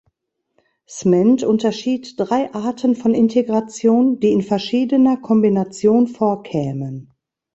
Smend unterschied drei Arten von Integration, die in verschiedener Kombination vorkämen.